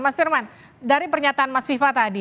mas firman dari pernyataan mas viva tadi